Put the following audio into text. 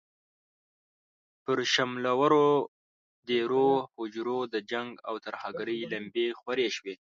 پر شملورو دېرو، هوجرو د جنګ او ترهګرۍ لمبې خورې شوې.